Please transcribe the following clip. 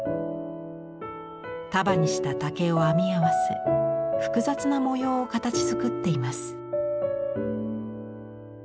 束にした竹を編み合わせ複雑な模様を形づくっています。